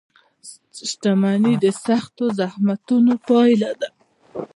• شتمني د سختو زحمتونو پایله ده.